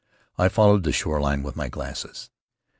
I followed the shore line with my glasses.